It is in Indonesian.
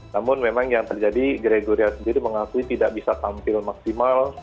namun memang yang terjadi gregoria sendiri mengakui tidak bisa tampil maksimal